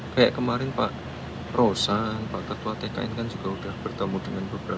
kayak kemarin pak rosan pak ketua tkn kan juga sudah bertemu dengan beberapa